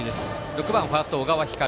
６番ファースト小川輝。